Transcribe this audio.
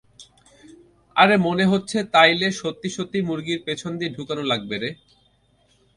আরে মনে হচ্ছে, তাইলে সত্যিই মুরগি পেছন দিয়ে ঢুকানো লাগবে রে।